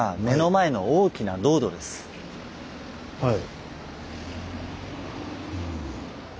はい。